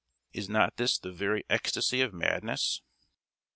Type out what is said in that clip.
Is not this the very ecstasy of madness?